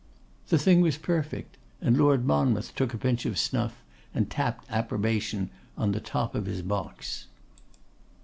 The thing was perfect; and Lord Monmouth took a pinch of snuff, and tapped approbation on the top of his box.